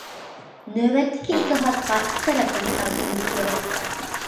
نۆۋەتتىكى ئىسلاھاتقا ئىككى تەرەپتىن قارىشىمىز كېرەك.